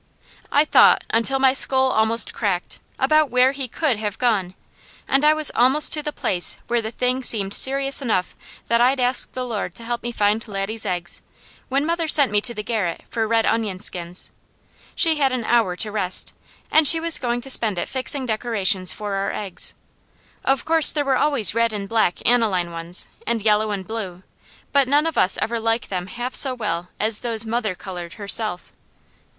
I thought until my skull almost cracked, about where he COULD have gone, and I was almost to the place where the thing seemed serious enough that I'd ask the Lord to help me find Laddie's eggs, when mother sent me to the garret for red onion skins. She had an hour to rest, and she was going to spend it fixing decorations for our eggs. Of course there were always red and black aniline ones, and yellow and blue, but none of us ever like them half so well as those mother coloured, herself.